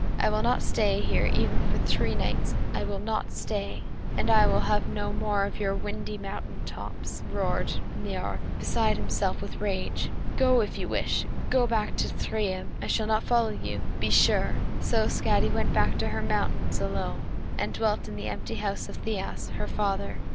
I will not stay here even for three nights! I will not stay!" "And I will have no more of your windy mountain tops," roared Niörd, beside himself with rage. "Go, if you wish! Go back to Thrymheim! I shall not follow you, be sure!" So Skadi went back to her mountains alone, and dwelt in the empty house of Thiasse, her father.